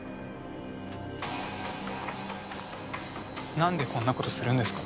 なんでこんな事するんですか？